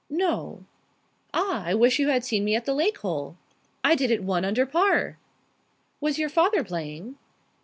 "No." "Ah! I wish you had seen me at the lake hole. I did it one under par." "Was your father playing?"